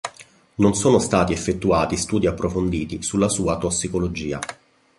Non sono stati effettuati studi approfonditi sulla sua tossicologia.